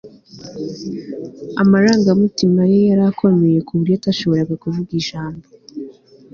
Amarangamutima ye yari akomeye kuburyo atashoboraga kuvuga ijambo